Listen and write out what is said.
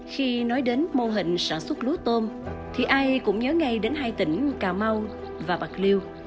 khi nói đến mô hình sản xuất lúa tôm thì ai cũng nhớ ngay đến hai tỉnh cà mau và bạc liêu